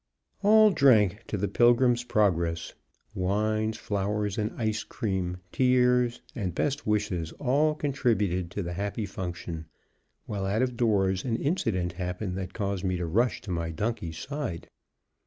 All drank to the pilgrim's progress. Wines, flowers and ice cream, tears, and best wishes, all contributed to the happy function, while out of doors, an incident happened that caused me to rush to my donkey's side.